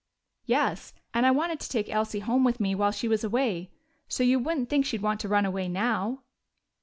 "Yes, and I wanted to take Elsie home with me while she was away. So you wouldn't think she'd want to run away now."